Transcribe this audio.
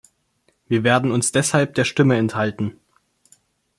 Wir werden uns deshalb der Stimme enthalten.